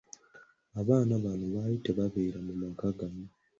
Abaana bano baali tebabeera mu maka gamu.